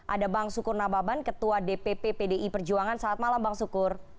ada bang sukur nababan ketua dpp pdi perjuangan selamat malam bang sukur